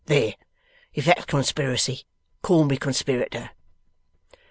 There; if that's conspiracy, call me conspirator.